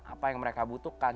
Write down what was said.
apa yang mereka butuhkan